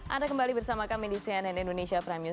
anda kembali bersama kami di cnn indonesia prime news